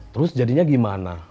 terus jadinya gimana